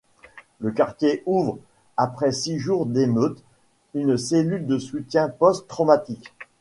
Le quartier ouvre, après six jours d'émeutes, une cellule de soutien post-traumatique.